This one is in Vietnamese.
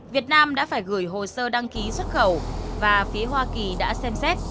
việt nam đã phải gửi hồ sơ đăng ký xuất khẩu và phía hoa kỳ đã xem xét